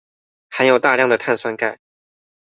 含有大量的碳酸鈣